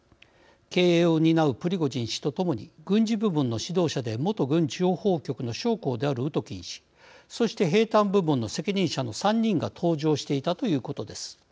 経営を担うプリゴジン氏とともに軍事部門の指導者で元軍諜報局の将校であるウトキン氏そして、兵たん部門の責任者の３人が搭乗していたということです。